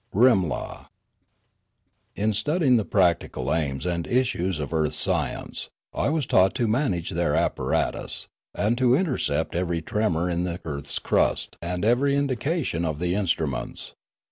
RIMLA IN studying the practical aims and issues of earth science, I was taught to manage their apparatus, and to interpret every tremor in the earth's crust and every indication of the instruments.